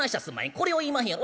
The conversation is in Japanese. これを言いまへんやろ。